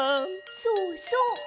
そうそう。